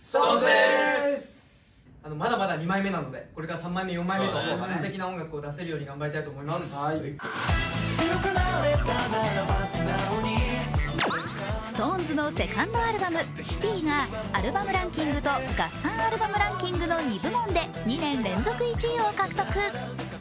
ＳｉｘＴＯＮＥＳのセカンドアルバム「ＣＩＴＹ」がアルバムランキングと合算アルバムランキングの２部門で２年連続１位を獲得。